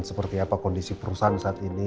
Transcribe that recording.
seperti apa kondisi perusahaan saat ini